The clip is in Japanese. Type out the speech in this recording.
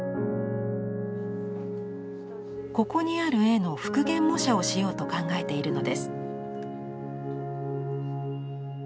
ここにある絵の復元模写をしようと考えているのです。